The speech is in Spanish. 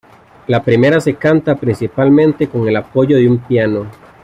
La primera se canta principalmente con el apoyo de un piano.